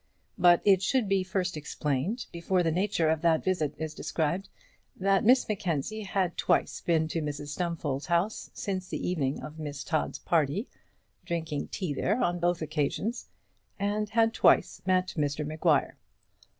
But it should be first explained, before the nature of that visit is described, that Miss Mackenzie had twice been to Mrs Stumfold's house since the evening of Miss Todd's party, drinking tea there on both occasions, and had twice met Mr Maguire.